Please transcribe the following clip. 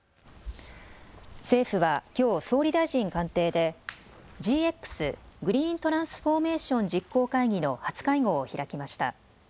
政府はきょう総理大臣官邸でＧＸ・グリーントランスフォーメーション実行会議の初会合を開きました。